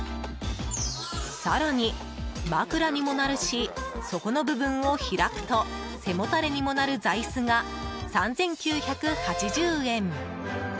更に、枕にもなるし底の部分を開くと背もたれにもなる座椅子が３９８０円。